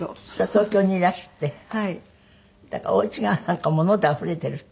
東京にいらしてなんかお家が物であふれているって。